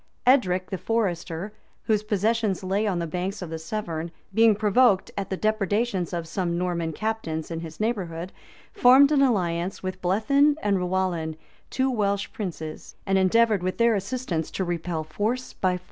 [*] Edric the Forester, whose possessions lay on the banks of the Severn, being provoked at the depredations of some Norman captains in his neighborhood, formed an alliance with Blethyn and Rowallan, two Welsh princes; and endeavored, with their assistance, to repel force by force.